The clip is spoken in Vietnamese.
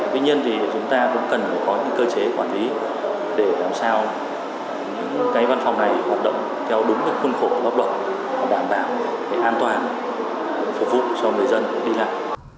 tuy nhiên thì chúng ta cũng cần phải có những cơ chế quản lý để làm sao những cái văn phòng này hoạt động theo đúng cái khuôn khổ góp độc và đảm bảo để an toàn phục vụ cho người dân đi làm